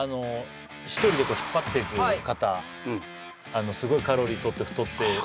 １人で引っ張っていく方はいすごいカロリーとって太ってああ